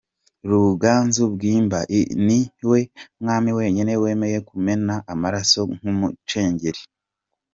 Ruganzu Bwimba ni we mwami wenyine wemeye kumena amaraso nk’umucengeri.